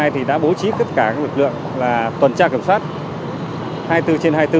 thì đã bố trí tất cả lực lượng là tuần tra kiểm soát hai mươi bốn trên hai mươi bốn